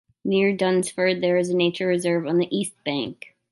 Near Dunsford there is a nature reserve on the east bank.